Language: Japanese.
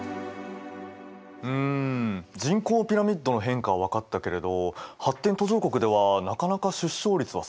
うん人口ピラミッドの変化は分かったけれど発展途上国ではなかなか出生率は下がらないんだね。